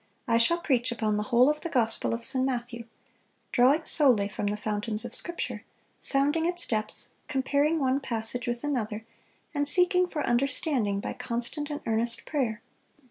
I shall preach upon the whole of the Gospel of St. Matthew, ... drawing solely from the fountains of Scripture, sounding its depths, comparing one passage with another, and seeking for understanding by constant and earnest prayer.